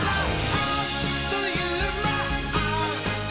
あっというまっ！」